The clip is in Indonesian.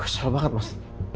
kesel banget mas